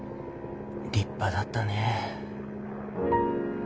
立派だったねえ。